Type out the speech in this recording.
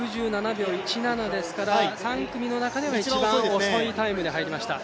６７秒１７ですから３組の中では一番遅いタイムで入りました。